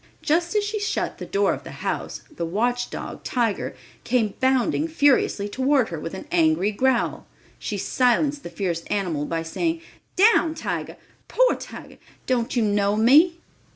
Just as she shut the door of the house, the watch dog, Tiger, came bounding furiously toward her with an angry growl. She silenced the fierce animal by saying, "Down, Tiger—poor Tige—don't you know me?"